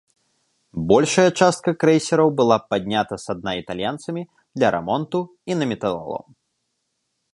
Большая частка крэйсераў была паднята са дна італьянцамі для рамонту і на металалом.